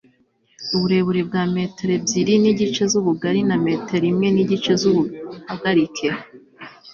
uburebure bwari metero ebyeri n'igice z'ubugari na metero imwe n'igice z'ubuhagarike